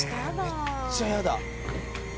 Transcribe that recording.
「めっちゃやだ！」